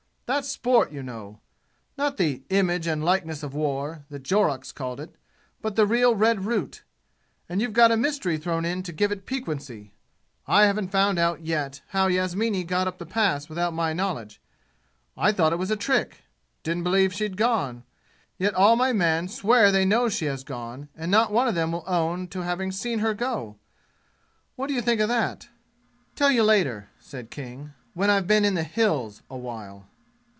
That's sport, you know not the 'image and likeness of war' that Jorrocks called it, but the real red root. And you've got a mystery thrown in to give it piquancy. I haven't found out yet how Yasmini got up the Pass without my knowledge. I thought it was a trick. Didn't believe she'd gone. Yet all my men swear they know she has gone, and not one of them will own to having seen her go! What d'you think of that?" "Tell you later," said King, "when I've been in the 'Hills' a while."